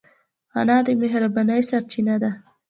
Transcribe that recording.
انا د مهربانۍ سرچینه ده